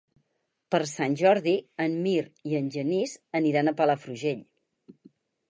Per Sant Jordi en Mirt i en Genís aniran a Palafrugell.